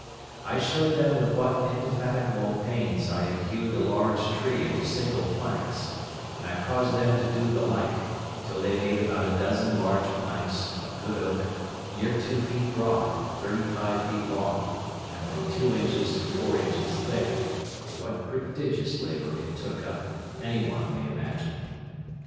I showed them with what indefatigable pains I had hewed a large tree into single planks, and I caused them to do the like, till they made about a dozen large planks, of good oak, near two feet broad, thirty five feet long, and from two inches to four inches thick: what prodigious labour it took up any one may imagine.